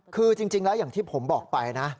คือจริงมาอย่างผมบอกไปนะ